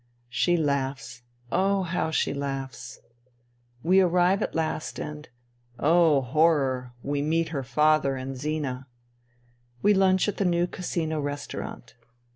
She laughs. Oh, how she laughs ! We arrive at last — and, oh ! horror ! We meet her father and Zina. We lunch at the new Casino restaurant.